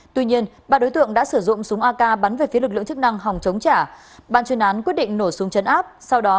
tuy nhiên ba đối tượng đã sử dụng súng ak bắn về phía lực lượng chức năng hòng chống trả